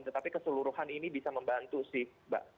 tetapi keseluruhan ini bisa membantu sih mbak